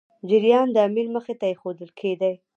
جریان د امیر مخي ته ایښودل کېدی.